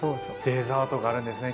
デザートがあるんですね